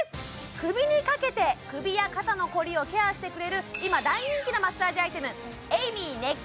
首にかけて首や肩のこりをケアしてくれる今大人気のマッサージアイテム